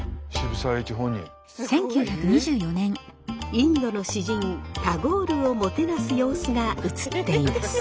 インドの詩人タゴールをもてなす様子が映っています。